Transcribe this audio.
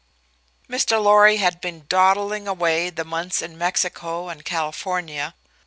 Mr. Lorry had been dawdling away the months in Mexico and California.